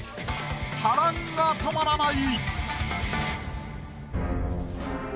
波乱が止まらない！